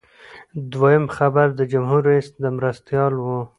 دویم خبر د جمهور رئیس د مرستیال و.